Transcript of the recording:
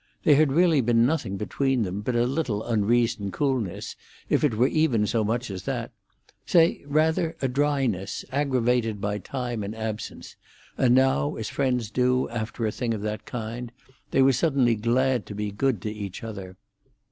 There had really been nothing between them but a little unreasoned coolness, if it were even so much as that; say rather a dryness, aggravated by time and absence, and now, as friends do, after a thing of that kind, they were suddenly glad to be good to each other.